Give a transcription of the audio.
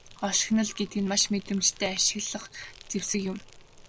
Хошигнол гэдэг нь маш мэдрэмжтэй ашиглах зэвсэг юм.